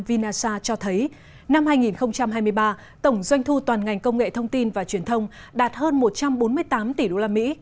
vinasa cho thấy năm hai nghìn hai mươi ba tổng doanh thu toàn ngành công nghệ thông tin và truyền thông đạt hơn một trăm bốn mươi tám tỷ đô la mỹ